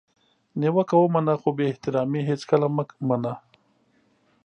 نیوکه ومنه خو بي احترامي هیڅکله مه منه!